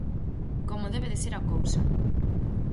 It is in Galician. ¡Como debe de ser a cousa!